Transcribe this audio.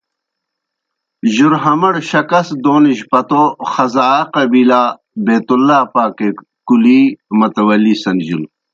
بجُرہم ئڑ شکست دونِجیْ پتو خزاعہ قبیلہ بیت ﷲ پاکے کُلِی متولی سنجِلوْ۔